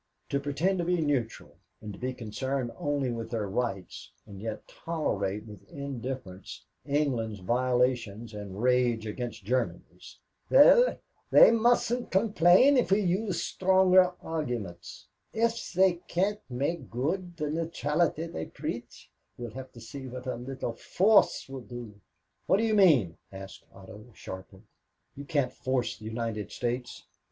To pretend to be neutral and to be concerned only with their rights, and yet tolerate with indifference England's violations and rage against Germany's." "Well, they mustn't complain if we use stronger arguments. If they can't make good the neutrality they preach, we'll have to see what a little force will do." "What do you mean?" asked Otto, sharply. "You can't force the United States."